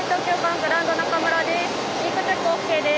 グランド中村です。